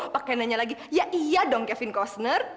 pakai nanya lagi ya iya dong kevin costner